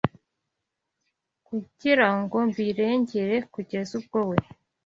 kugira ngo mbirengere, kugeza ubwo we